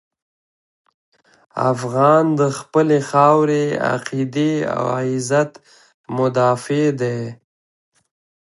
افغان د خپلې خاورې، عقیدې او عزت مدافع دی.